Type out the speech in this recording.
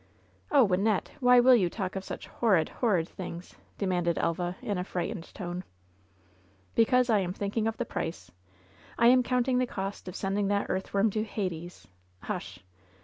"Oh, Wynnette 1 why will you talk of such horrid, horrid things ?" demanded Elva, in a frightened tone. "Because I am thinking of the price. I am coimting the cost of sending that earthworm to Hades Hush!"